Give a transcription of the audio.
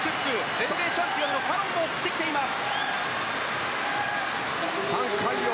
全米チャンピオンのファロンも追ってきています。